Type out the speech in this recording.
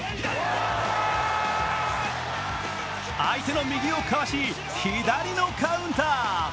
相手の右をかわし左のカウンター。